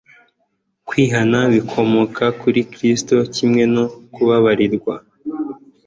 Kwihana bikomoka kuri Kristo kimwe no kubabarirwa.